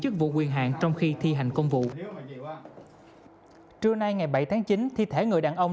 chức vụ quyền hạn trong khi thi hành công vụ trưa nay ngày bảy tháng chín thi thể người đàn ông